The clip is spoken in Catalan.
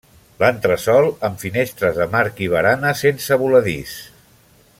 L'entresòl, amb finestres de marc i barana sense voladís.